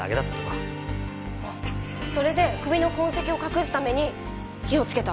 それで首の痕跡を隠すために火をつけた。